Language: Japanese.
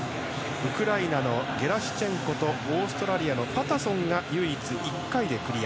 ウクライナのゲラシチェンコとオーストラリアのパタソンが唯一、１回でクリア。